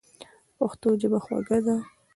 پښتو ژبه خوږه ده.